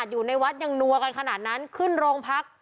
อยู่ในวัดยังนัวกันขนาดนั้นขึ้นโรงพัก